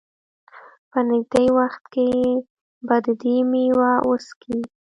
په نېږدې وخت کې به د دې مېوه وڅکي.